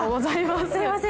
すみません